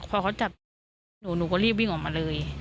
พอเขาจับปุ๊บหนูก็รีบวิ่งออกมาเลย